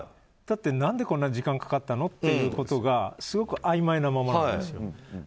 だって何でこんなに時間がかかったの？ということがすごくあいまいなままなんですよ。